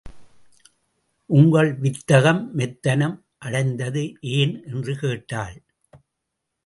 உங்கள் வித்தகம் மெத்தனம் அடைந்தது ஏன்? என்று கேட்டாள்.